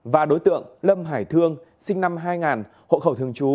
và đối tượng lâm hải thương sinh năm hai nghìn hộ khẩu thường trú